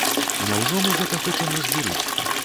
Няўжо мы гэта хочам разбурыць?